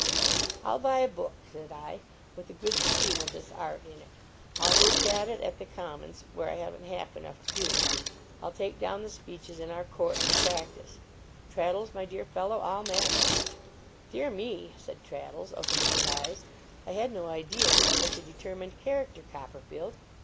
'I'll buy a book,' said I, 'with a good scheme of this art in it; I'll work at it at the Commons, where I haven't half enough to do; I'll take down the speeches in our court for practice Traddles, my dear fellow, I'll master it!' 'Dear me,' said Traddles, opening his eyes, 'I had no idea you were such a determined character, Copperfield!